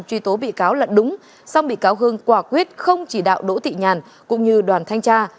truy tố bị cáo lận đúng xong bị cáo hưng quả quyết không chỉ đạo đỗ thị nhàn cũng như đoàn thanh tra